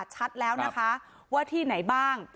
ชัดแล้วนะคะว่าที่ไหนบ้าง